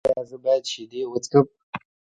ایا زه باید شیدې وڅښم؟